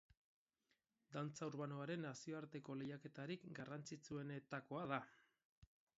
Dantza urbanoaren nazioarteko lehiaketarik garrantzitsuenetakoa da.